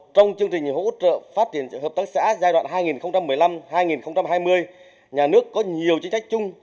trong chương trình hỗ trợ phát triển hợp tác xã giai đoạn hai nghìn một mươi năm hai nghìn hai mươi nhà nước có nhiều chính sách chung